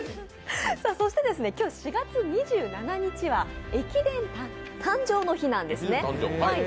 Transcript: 今日、４月２７日は駅伝誕生の日なんですね。